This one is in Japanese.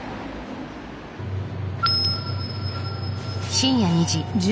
深夜２時。